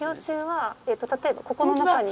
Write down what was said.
例えばここの中に。